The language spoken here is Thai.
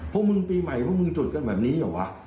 พวกมึงปีใหม่พวกมึงจุดกันแบบนี้เหรอวะ